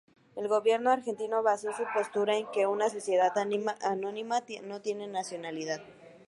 El gobierno argentino basó su postura en que una sociedad anónima no tiene nacionalidad.